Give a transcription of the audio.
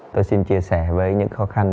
tôi xin chia sẻ với những khó khăn